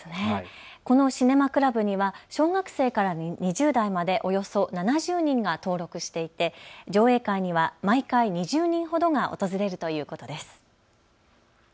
このシネマクラブには小学生から２０代までおよそ７０人が登録していて上映会には毎回２０人ほどが訪れるということです。